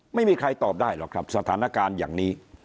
ไม่มีใครตอบได้หรอกครับสถานการณ์อย่างนี้